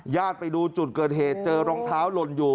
ไปดูจุดเกิดเหตุเจอรองเท้าหล่นอยู่